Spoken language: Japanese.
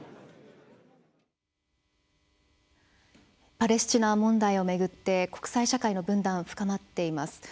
パレスチナ問題を巡って国際社会の分断、深まっています。